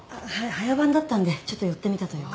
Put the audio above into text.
早番だったのでちょっと寄ってみたというか。